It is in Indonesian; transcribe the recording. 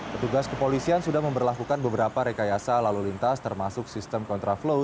petugas kepolisian sudah memperlakukan beberapa rekayasa lalu lintas termasuk sistem kontraflow